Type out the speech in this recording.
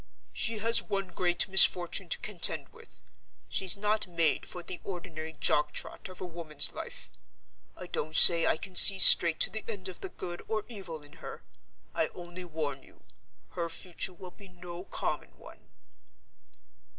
"She has one great misfortune to contend with: she's not made for the ordinary jog trot of a woman's life. I don't say I can see straight to the end of the good or evil in her—I only warn you, her future will be no common one."